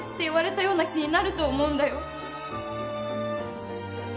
言われたような気になると思うんだよ